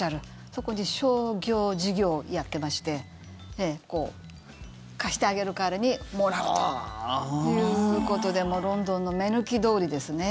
そこで商業事業をやってまして貸してあげる代わりにもらうということでロンドンの目抜き通りですね